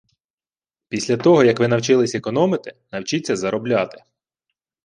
Після того, як ви навчились економити, навчіться заробляти.